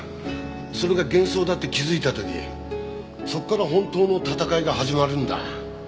それが幻想だって気づいた時そこから本当の戦いが始まるんだ。